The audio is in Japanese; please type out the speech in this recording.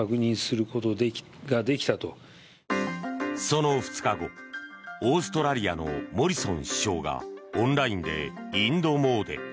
その２日後オーストラリアのモリソン首相がオンラインでインド詣で。